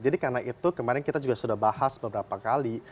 karena itu kemarin kita juga sudah bahas beberapa kali